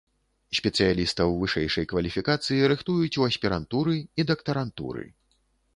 Спецыялістаў вышэйшай кваліфікацыі рыхтуюць у аспірантуры і дактарантуры.